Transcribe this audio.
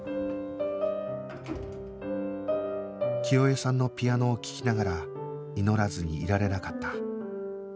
清江さんのピアノを聴きながら祈らずにいられなかった